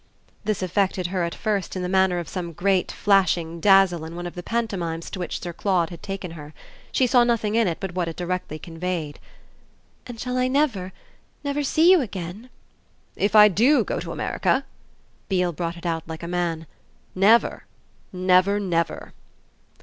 This affected her at first in the manner of some great flashing dazzle in one of the pantomimes to which Sir Claude had taken her: she saw nothing in it but what it directly conveyed. "And shall I never, never see you again ?" "If I do go to America?" Beale brought it out like a man. "Never, never, never!"